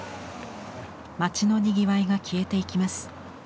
町のにぎわいが消えていきます。